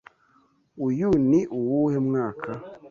Uyu ni uwuhe mwaka?